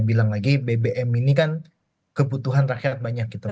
bilang lagi bbm ini kan kebutuhan rakyat banyak gitu loh